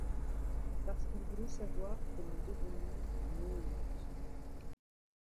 Parce qu’il voulait savoir comment devenir un NoéNaute.